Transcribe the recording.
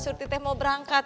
surty teh mau berangkat